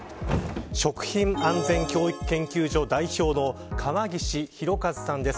食品安全教育研究所代表の河岸宏和さんです。